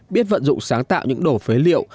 biết vận dụng sáng tạo những đồ phế liệu